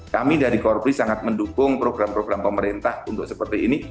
kami dari korpri sangat mendukung program program pemerintah untuk seperti ini